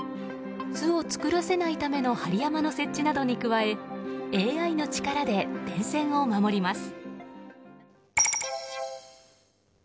巣を作らせないための針山の設置などに加えＡＩの力で電線を守ります。